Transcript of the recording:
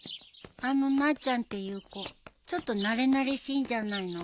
あのなっちゃんっていう子ちょっとなれなれしいんじゃないの？